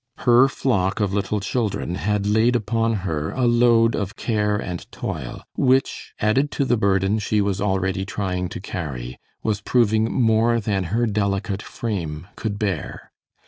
Her flock of little children had laid upon her a load of care and toil, which added to the burden she was already trying to carry, was proving more than her delicate frame could bear.